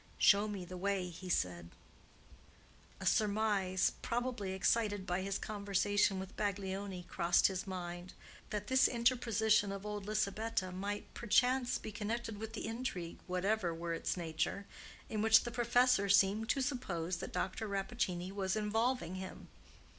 "Show me the way," said he. A surmise, probably excited by his conversation with Baglioni, crossed his mind, that this interposition of old Lisabetta might perchance be connected with the intrigue, whatever were its nature, in which the professor seemed to suppose that Dr. Rappaccini was involving him.